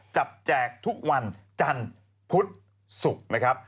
แจกทุกวันจันทร์พุธศุกร์นะครับ